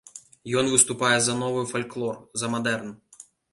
Ён выступае за новы фальклор, за мадэрн.